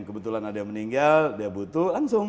kebetulan ada yang meninggal dia butuh langsung